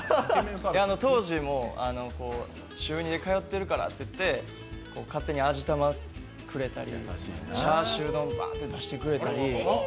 当時、週２で通ってるからって勝手に味玉くれたり、チャーシュー丼にしてくれたり。